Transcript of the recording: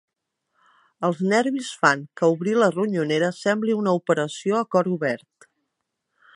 Els nervis fan que obrir la ronyonera sembli una operació a cor obert.